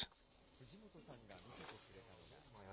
藤本さんが見せてくれたのが。